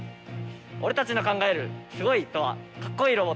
俺たちの考える「すごい」とはかっこいいロボット。